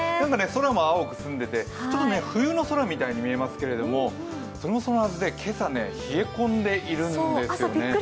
空も青く澄んでて、冬の空みたいに見えますけれどもそれもそのはず、今朝は冷え込んでいるんですよね。